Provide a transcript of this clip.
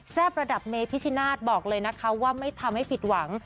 ระดับเมพิชนาธิ์บอกเลยนะคะว่าไม่ทำให้ผิดหวัง